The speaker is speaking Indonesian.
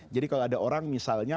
jadi kalau ada orang misalnya